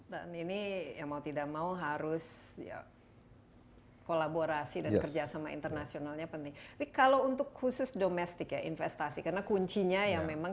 dan ini ya mau tidak mau harus ya kolaborasi dan kerjasama internasionalnya penting kalau untuk khusus domestik ya investasi karena kuncinya yang memang kalau untuk khusus domestik ya investasi karena kuncinya yang memang